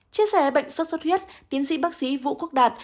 chia sẻ bệnh sốt xuất huyết tiến sĩ bác sĩ vũ quốc đạt